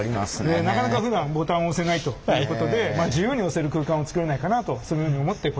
なかなかふだんボタンを押せないということで自由に押せる空間を作れないかなとそのように思ってこれを。